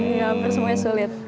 iya hampir semuanya sulit